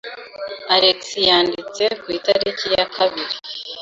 alexi yanditse ku itariki ya kabiri